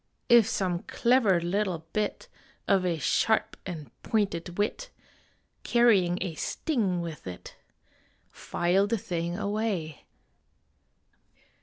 If some clever little bit Of a sharp and pointed wit, Carrying a sting with it File the thing away.